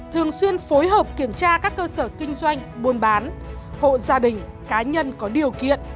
thường xuyên phối hợp kiểm tra các cơ sở kinh doanh buôn bán hộ gia đình cá nhân có điều kiện